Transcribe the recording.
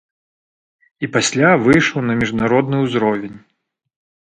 І пасля выйшаў на міжнародны ўзровень.